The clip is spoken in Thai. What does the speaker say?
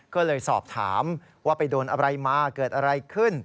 ก็เลยสอบถามว่าไปโดนอะไรมาเกิดอะไรขึ้น